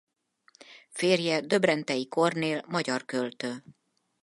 Férje Döbrentei Kornél magyar költő.